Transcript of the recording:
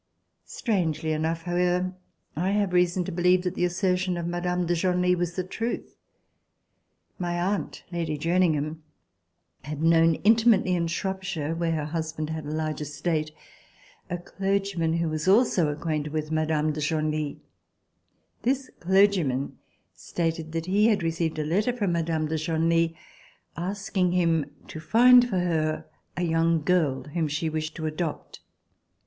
Strangely enough, however, I have reason to believe that the assertion of Mme. de Genlis was the truth. My aunt. Lady Jerningham, had known intimately in Shropshire, where her husband had a large estate, a clergyman who was also acquainted with Mme. de Genlis. This clergyman stated that he had received a letter from Mme. de Genlis asking him to find for her a young girl whom she wished to adopt.